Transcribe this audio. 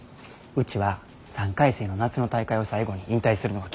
うちは３回生の夏の大会を最後に引退するのが決まりやねん。